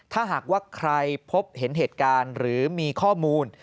ถ้าหากว่าใครพบเห็นเหตุการณ์หรือมีข้อมูล